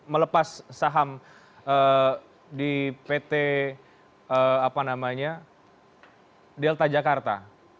melepas saham di pt delta jakarta